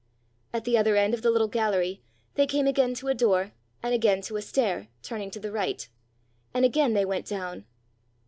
At the other end of the little gallery they came again to a door and again to a stair, turning to the right; and again they went down.